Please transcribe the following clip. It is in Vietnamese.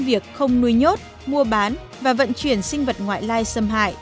việc không nuôi nhốt mua bán và vận chuyển sinh vật ngoại lai xâm hại